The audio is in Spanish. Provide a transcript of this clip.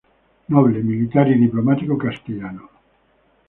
Noble, militar y diplomático castellano.